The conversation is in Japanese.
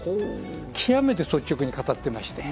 極めて率直に語ってます。